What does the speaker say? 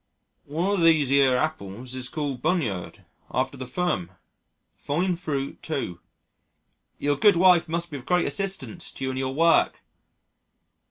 "One of these yer appulls is called Bunyard after the firm a fine fruit too." "Your good wife must be of great assistance to you in your work."